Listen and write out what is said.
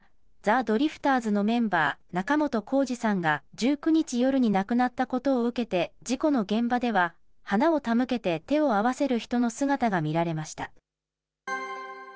交通事故で入院していた、ザ・ドリフターズのメンバー、仲本工事さんが１９日夜に亡くなったことを受けて、事故の現場では、花を手向けて手を合わせる人の姿が見られました。